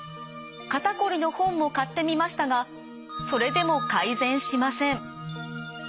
肩こりの本も買ってみましたがそれでも改善しません。